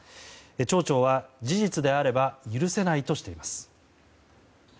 町長は事実であれば許せないとしています。